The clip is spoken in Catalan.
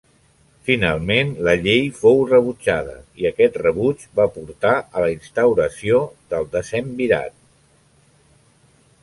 Finalment la llei fou rebutjada i aquest rebuig va portar a la instauració del decemvirat.